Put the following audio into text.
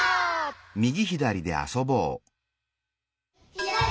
ひだり！